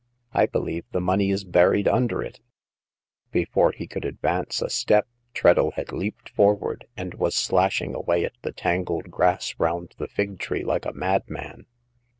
I believe the money is buried under it/' Before he could advance a step Treadle had leaped forward, and was slashing away at the tangled grass round the fig tree like a madman.